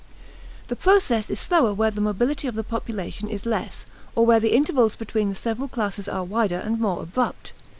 The process is slower where the mobility of the population is less or where the intervals between the several classes are wider and more abrupt.